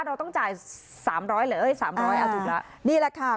เราต้องจ่ายสามร้อยเลยสามร้อยอาจุดละนี่แหละค่ะ